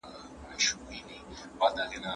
د لیوني سپي ناروغي څنګه درملنه کیږي؟